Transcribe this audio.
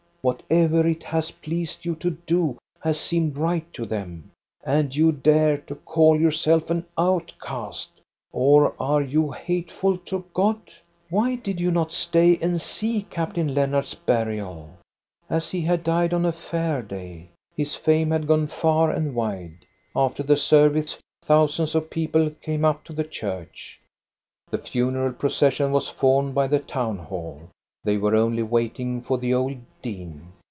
Whatever it has pleased you to do has seemed right to them. And you dare to call yourself an outcast! Or are you hateful to God? 452 THE STORY OF GOSTA BERLING Why did you not stay and see Caprain Lennart's burial? " As he had died on a Fair day, his fame had gone far and wide. After the service, thousands of people came up to the church. The funeral procession was formed by the town hall. They were only waiting for the old dean.